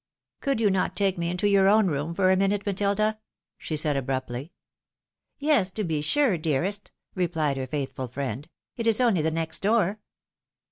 " Could you not take me into your own room for a minute, Matilda ?" she said, abruptly. " Yes, to be sure, dearest !" replied her faithful friend ;" it is only the next door."